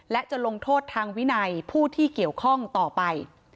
และจะลงโทษทางวินัยผู้ที่เกี่ยวข้องต่อไป